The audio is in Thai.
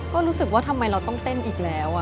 ก็รู้สึกว่าทำไมเราต้องเต้นอีกแล้ว